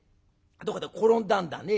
どっかで転んだんだね。